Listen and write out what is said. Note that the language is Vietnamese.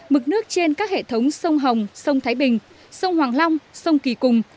mực nước trên các hệ thống sông hồng sông thái bình sông hoàng long sông kỳ cùng